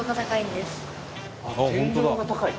天井が高い？